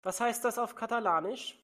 Was heißt das auf Katalanisch?